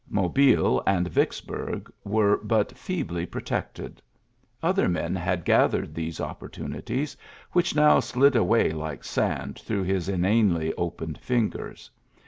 Mobile and Yi< burg were but feebly protected. Ot men had gathered these opportunit which now slid away like sand thro* his inanely opened fingers.